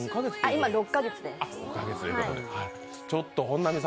今６か月で。